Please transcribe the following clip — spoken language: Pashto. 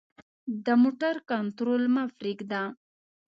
د موټر کنټرول مه پریږده.